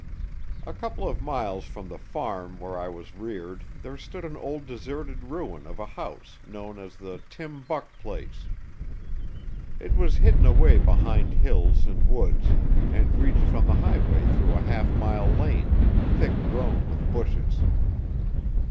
A couple of miles from the farm where I was reared there stood an old deserted ruin of a house known as the Tim Buck place. It was hidden away behind hills and woods and reached from the highway through a half mile lane, thick grown with bushes.